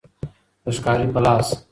د ښکاري په لاس